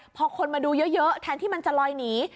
พอคนมาดูเยอะแทนที่มันจะลอยหนี